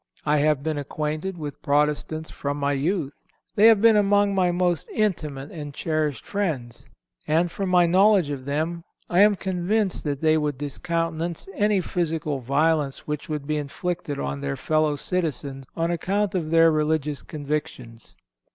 I have been acquainted with Protestants from my youth. They have been among my most intimate and cherished friends, and, from my knowledge of them, I am convinced that they would discountenance any physical violence which would be inflicted on their fellow citizens on account of their religious convictions.